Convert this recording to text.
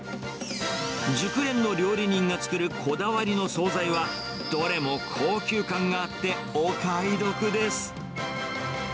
熟練の料理人が作るこだわりの総菜は、どれも高級感があって、お買い得です。